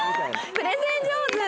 プレゼン上手。